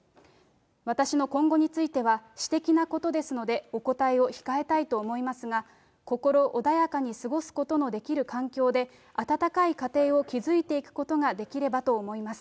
私の今後については、私的なことですのでお答えを控えたいと思いますが、心穏やかに過ごすことのできる環境で、温かい家庭を築いていくことができればと思います。